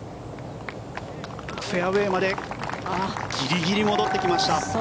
フェアウェーまでギリギリ戻ってきました。